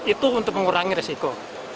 itu untuk mengurangi risiko